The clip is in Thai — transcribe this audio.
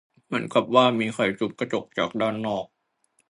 เหมือนกับว่ามีใครจุ๊บกระจกจากด้านนอก